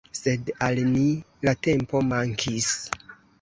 Sed al ni, la tempo mankis.